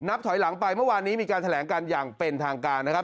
ถอยหลังไปเมื่อวานนี้มีการแถลงการอย่างเป็นทางการนะครับ